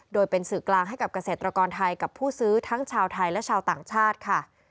โดยเป็นสื่อกลางให้กับเกษตรกรไทยกับผู้ซื้อทั้งชาวไทยและชาวต่างชาติค่ะ